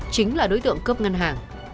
chính là đối tượng cướp ngân hàng